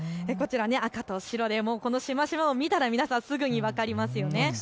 赤と白でこのしましまを見たら皆さんすぐに分かりますよね。